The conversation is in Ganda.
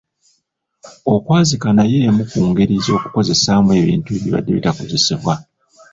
Okwazika nayo emu ku ngeri z'okukozesaamu ebintu ebibadde bitakozesebwa.